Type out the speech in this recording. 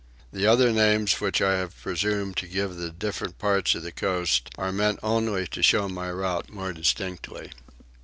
The other names which I have presumed to give the different parts of the coast are meant only to show my route more distinctly.